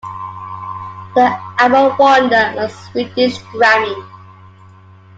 The album won them a Swedish Grammy.